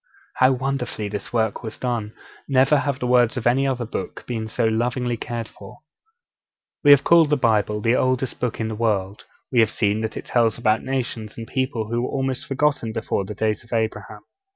How wonderfully this work was done! Never have the words of any other book been so lovingly cared for. We have called the Bible the oldest Book in the world; we have seen that it tells about nations and people who were almost forgotten before the days of Abraham.